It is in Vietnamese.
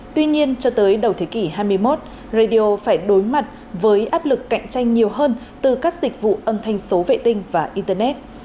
tuy nhiên cho tới đầu thế kỷ hai mươi một radio phải đối mặt với áp lực cạnh tranh nhiều hơn từ các dịch vụ âm thanh số vệ tinh và internet